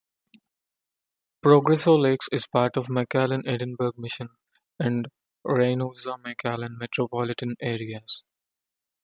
Progreso Lakes is part of the McAllen-Edinburg-Mission and Reynosa-McAllen metropolitan areas.